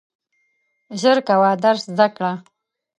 ژر کوه درس زده کړه !